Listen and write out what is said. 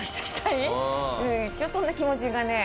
一応そんな気持ちがね